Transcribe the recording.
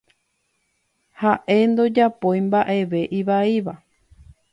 Haʼe ndojapói mbaʼeve ivaíva.